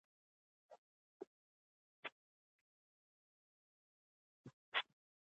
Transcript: پېیر کوري د څېړنې لپاره لابراتوار ته لاړ.